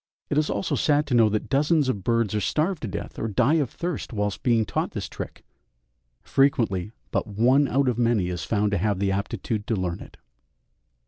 It is also sad to know that dozens of birds are starved to death or die of thirst whilst being taught this trick frequently but one out of many is found to have the aptitude to learn it.